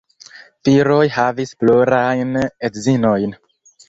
Viroj havis plurajn edzinojn.